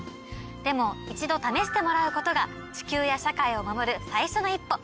でも一度試してもらうことが地球や社会を守る最初の一歩。